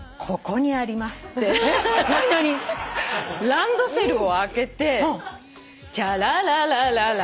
ランドセルを開けて「チャラララララー」